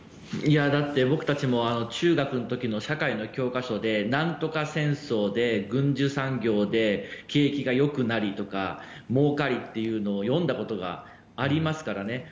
だって僕たちも中学の時の社会の教科書で何とか戦争で、軍需産業で景気が良くなりとか儲かるというのを読んだことがありますからね。